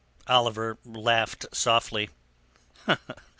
Oliver laughed softly.